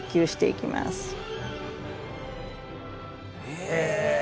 へえ。